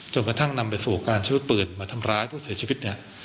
จนกระทั่งนำไปสู่การซื้อปืนมาทำร้ายผู้เสียชีวิตเนี่ย